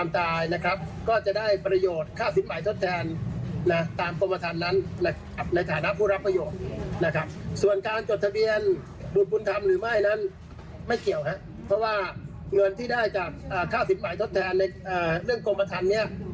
ไม่เกี่ยวนะเพราะว่าเงินที่ได้จากข้าวศิษณ์หมายทดแทนในเรื่องคนประธานเนี้ย